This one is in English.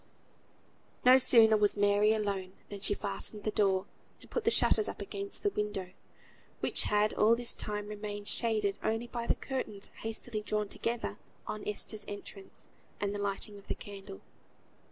No sooner was Mary alone than she fastened the door, and put the shutters up against the window, which had all this time remained shaded only by the curtains hastily drawn together on Esther's entrance, and the lighting of the candle.